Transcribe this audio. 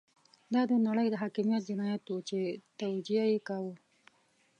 دا د نړۍ د حاکميت جنايت وو چې توجیه يې کاوه.